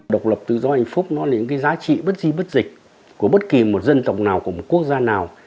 độc lập tự do hạnh phúc nó là những cái giá trị bất di bất dịch của bất kỳ một dân tộc nào của một quốc gia nào